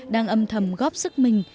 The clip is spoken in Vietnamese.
đang âm thầm góp sức mình